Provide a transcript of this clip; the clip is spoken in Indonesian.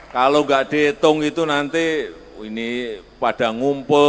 kalau nggak dihitung itu nanti ini pada ngumpul